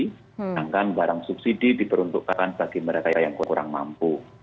sedangkan barang subsidi diperuntukkan bagi mereka yang kurang mampu